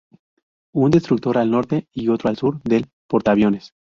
Un destructor al norte y el otro al sur del portaaviones.